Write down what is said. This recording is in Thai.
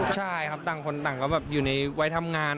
ใช่ครับต่างคนต่างก็แบบอยู่ในวัยทำงาน